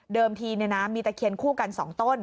เดิมทีมีตะเขียนสี่อย่างคนส่องกัน